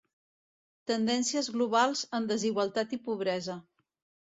Tendències globals en desigualtat i pobresa.